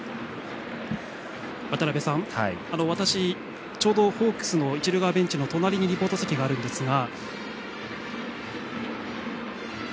私、ちょうどホークスの一塁側のベンチの隣にリポート席があるんですが。